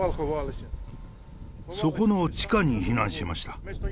そこの地下に避難しました。